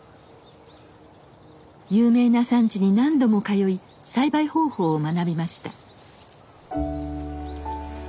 有名な産地に何度も通い栽培方法を学びました。